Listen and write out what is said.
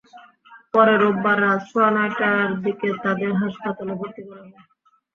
পরে রোববার রাত সোয়া নয়টার দিকে তাঁদের হাসপাতালে ভর্তি করা হয়।